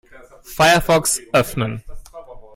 Firefox öffnen.